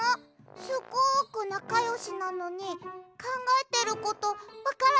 すごくなかよしなのにかんがえてることわからなかったの？